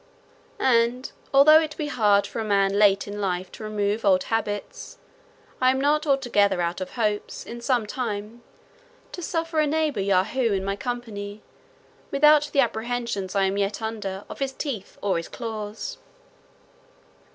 And, although it be hard for a man late in life to remove old habits, I am not altogether out of hopes, in some time, to suffer a neighbour Yahoo in my company, without the apprehensions I am yet under of his teeth or his claws.